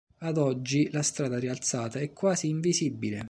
Ad oggi, la strada rialzata, è quasi invisibile.